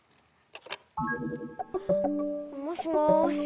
もしもし。